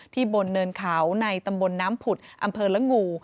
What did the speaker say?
บนเนินเขาในตำบลน้ำผุดอำเภอละงู